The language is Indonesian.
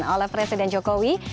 oleh presiden jokowi